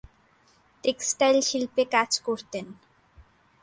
Textile শিল্পে কাজ করতেন।